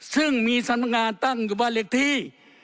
ซึ่งมีสำนักงานตั้งอยู่บริษัทที่